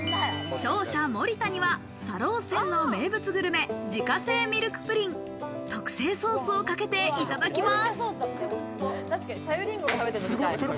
勝者・森田には、「茶楼千」の名物グルメ自家製ミルクプリン、特製ソースをかけていただきます。